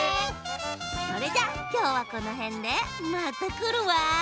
それじゃきょうはこのへんでまたくるわ！